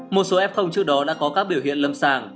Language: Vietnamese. một số f trước đó đã có các biểu hiện lâm sàng